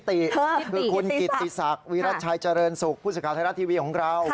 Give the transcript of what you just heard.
พิติคือคุณกิตตีศักดิ์บรรค์วิรัตชายเจริญสุขผู้สะการไทยรัฐทีวีของเรา